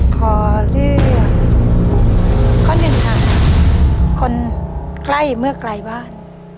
ขอเลือกข้อหนึ่งค่ะคนใกล้เมื่อไกลบ้าน